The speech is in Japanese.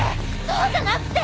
そうじゃなくて！